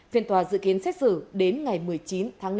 phiên tòa dự kiến xét xử đến ngày một mươi chín tháng năm